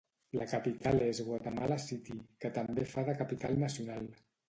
La capital és Guatemala City, que també fa de capital nacional.